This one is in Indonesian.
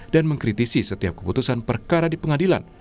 dan mengkritisi setiap keputusan perkara di pengadilan